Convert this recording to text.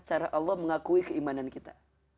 cara allah mengakui keimanan kita